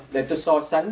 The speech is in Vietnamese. để tôi so sánh